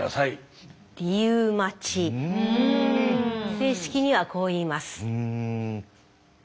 正式にはこう言います。